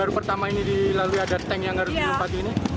baru pertama ini dilalui ada tank yang harus dilempati ini